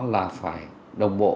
là phải đồng bộ